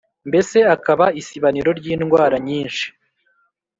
mbese akaba isibaniro ry’indwara nyinshi.